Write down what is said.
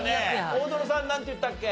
大園さんなんて言ったっけ？